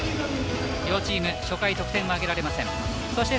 両チーム初回得点が挙げられませんでした。